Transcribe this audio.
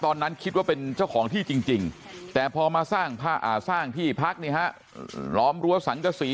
ตอนนั้นคิดว่าเป็นเจ้าของที่จริงแต่พอมาสร้างที่พักล้อมรั้วสังกษี